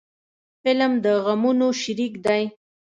فلم د غمونو شریک دی